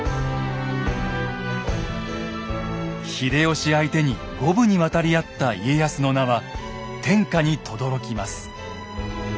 秀吉相手に五分に渡り合った家康の名は天下にとどろきます。